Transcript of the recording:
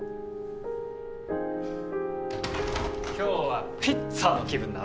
今日はピッツァの気分だ